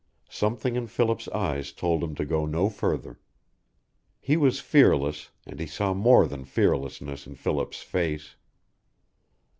Something in Philip's eyes told him to go no further. He was fearless, and he saw more than fearlessness in Philip's face.